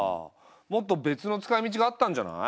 もっと別の使いみちがあったんじゃない？